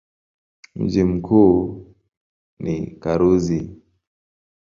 Mji mkuu ni Karuzi.